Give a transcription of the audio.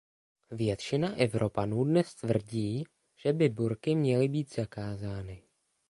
Většina Evropanů dnes tvrdí, že by burky měly být zakázány.